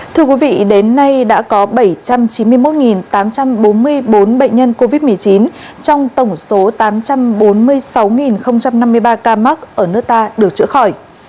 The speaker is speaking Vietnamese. thưa quý vị đến nay đã có bảy trăm chín mươi một tám trăm bốn mươi bốn bệnh nhân covid một mươi chín trong tổng số tám trăm bốn mươi sáu năm mươi ba ca mắc ở nước ta được chữa khỏi